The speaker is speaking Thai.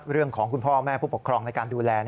เรื่องของคุณพ่อแม่ผู้ปกครองในการดูแล